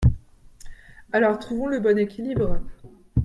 Alors trouvons le bon équilibre.